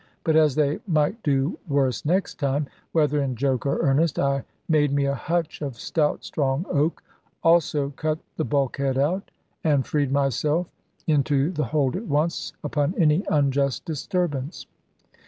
But as they might do worse next time, whether in joke or earnest, I made me a hutch of stout strong oak, also cut the bulkhead out, and freed myself into the hold at once, upon any unjust disturbance.